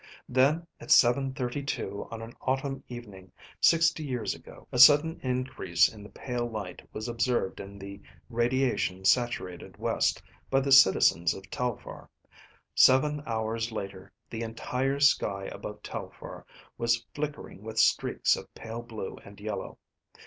"Then, at seven thirty two on an autumn evening, sixty years ago, a sudden increase in the pale light was observed in the radiation saturated west by the citizens of Telphar. Seven hours later the entire sky above Telphar was flickering with streaks of pale blue and yellow.